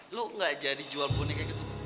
lu gak jadi jual budi kayak gitu